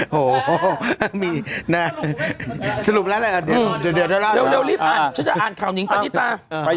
โอ้โหมีสรุปแล้วเลย